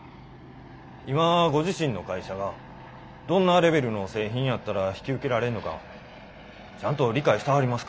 今ご自身の会社がどんなレベルの製品やったら引き受けられんのかちゃんと理解してはりますか？